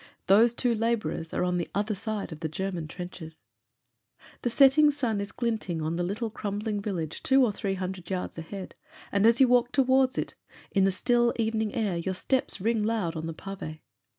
Those two labourers are on the other side of the German trenches. The setting sun is glinting on the little crumbling village two or three hundred yards ahead, and as you walk towards it in the still evening air your steps ring loud on the pave.